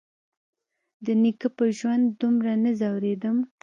د نيکه په ژوند دومره نه ځورېدم.